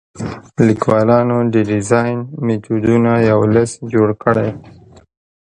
لیکوالانو د ډیزاین میتودونو یو لیست جوړ کړی.